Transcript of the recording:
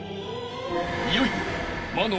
［いよいよ］